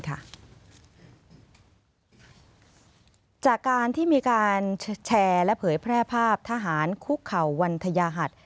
จากการที่มีการแชร์และเผยแพร่ภาพทหารคุกเข่าวันทยาหัส